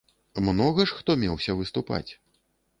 Многа ж хто меўся выступаць.